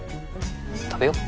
食べよう。